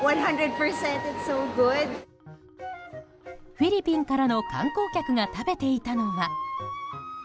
フィリピンからの観光客が食べていたのは。